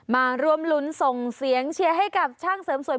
มาร่วมลุ้นส่งเสียงเชียร์ให้กับช่างเสริมสวย